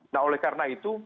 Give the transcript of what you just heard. nah oleh karena itu